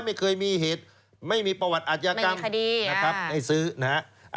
ไม่เคยมีเหตุไม่มีประวัติอาจยากรรมไม่มีคดีนะครับให้ซื้อนะครับ